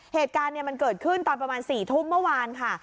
เหตุการณ์มันเกิดขึ้นตอนประมาณ๔ทุ่มเมื่อวานค่ะ